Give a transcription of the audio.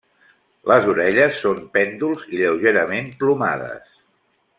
Les orelles són pèndols i lleugerament plomades.